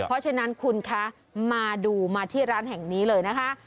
เพราะฉะนั้นคุณคะมาดูมาที่ร้านแห่งนี้เลยนะคะ